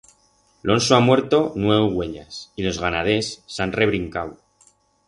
L'onso ha muerto nueu uellas y los ganaders s'han rebrincau.